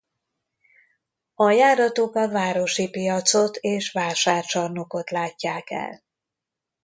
A járatok a Városi Piacot és Vásárcsarnokot látják el.